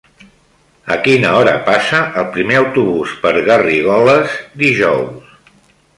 A quina hora passa el primer autobús per Garrigoles dijous?